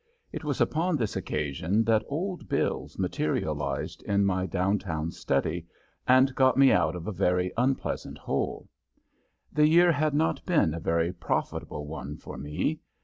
It was upon this occasion that Old Bills materialized in my down town study and got me out of a very unpleasant hole. The year had not been a very profitable one for me.